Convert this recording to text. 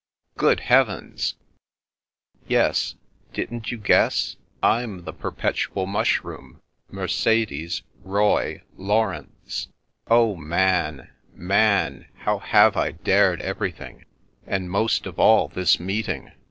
" Good heavens !" "Yes. Didn't you guess? I'm the Perpetual Mushroom, — Mercedes — Roy — Laurence. Oh, Man, Man, how have I dared everything — and most of all this meeting?